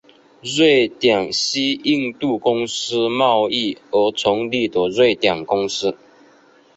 瑞典西印度公司贸易而成立的瑞典公司。